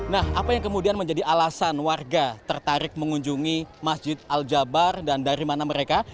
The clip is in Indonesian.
nah apa yang kemudian menjadi alasan warga tertarik mengunjungi masjid al jabar dan dari mana mereka